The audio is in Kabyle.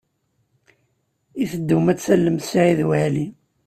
I teddum ad tallem Saɛid Waɛli?